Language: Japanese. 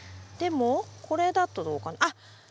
でもこれだとどうかな？